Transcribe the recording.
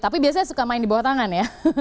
tapi biasanya suka main di bawah tangan ya